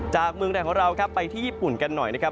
จากเมืองแหล่งของเราไปที่ญี่ปุ่นกันหน่อยนะครับ